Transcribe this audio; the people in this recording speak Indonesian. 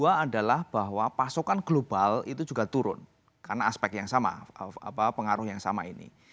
yang kedua adalah bahwa pasokan global itu juga turun karena aspek yang sama pengaruh yang sama ini